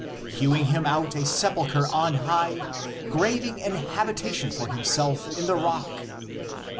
hewing him out a sepulchre on high, graving an habitation for himself in the rock